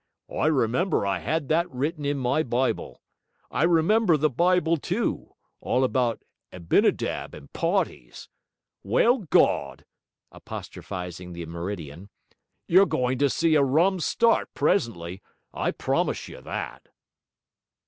'I remember I had that written in my Bible. I remember the Bible too, all about Abinadab and parties. Well, Gawd!' apostrophising the meridian, 'you're goin' to see a rum start presently, I promise you that!'